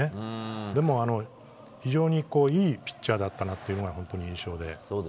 でも、非常にいいピッチャーだったなというのは印象で。